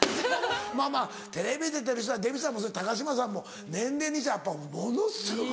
まぁまぁテレビ出てる人はデヴィさんもそう高島さんも年齢にしてはやっぱものすごく。